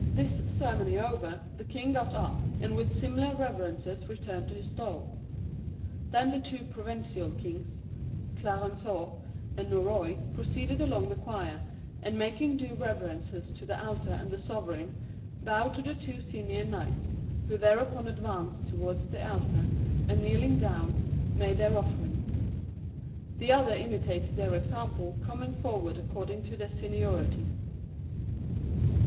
This ceremony over, the king got up, and with similar reverences returned to his stall. Then the two provincial kings, Clarenceux and Norroy, proceeded along the choir, and making due reverences to the altar and the sovereign, bowed to the two senior knights; who thereupon advanced towards the altar, and kneeling down, made their offering. The other imitated their example, coming forward according to their seniority.